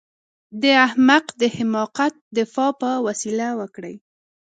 د احمق د حماقت دفاع په وسيله وکړئ.